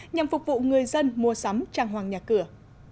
nhằm phục vụ người dân mua sắm trang hoàng nhà cửa